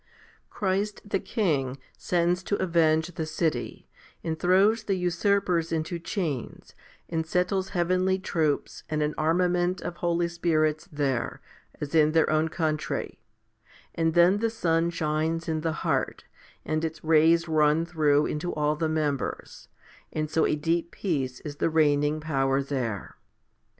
13. Christ the King sends to avenge the city, and throws HOMILY XVI 141 the usurpers into chains, and settles heavenly troops and an armament of holy spirits there, as in their own country; and then the sun shines in the heart, and its rays run through into all the members ; and so a deep peace is the reigning power there.